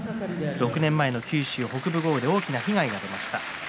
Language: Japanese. ６年前の九州北部豪雨で大きな被害がありました。